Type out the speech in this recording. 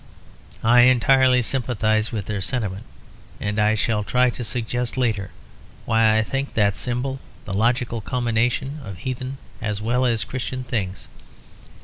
I entirely sympathise with their sentiment; and I shall try to suggest later why I think that symbol the logical culmination of heathen as well as Christian things.